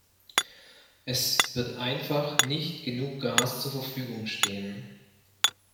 Es wird einfach nicht genug Gas zur Verfügung stehen.